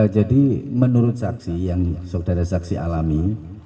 jadi menurut saksi yang saudara saksi alami